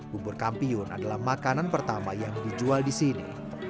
bubur kampiun adalah makanan pertama yang dijual di sini